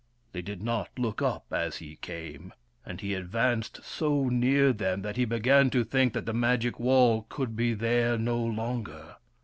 They did not look up as he came, and he advanced so near them that he began to think that the magic wall could be there no longer.